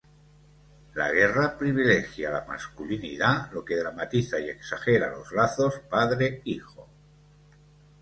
La guerra privilegia la masculinidad, lo que dramatiza y exagera los lazos padre-hijo.